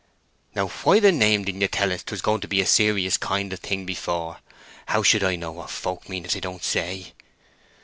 "Now, why the name didn't ye tell us 'twas going to be a serious kind of thing before? How should I know what folk mean if they don't say?